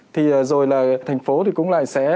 thì rồi là thành phố thì cũng lại sẽ